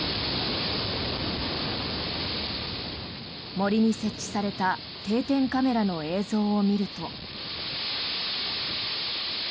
森に設置された定点カメラの映像を見ると。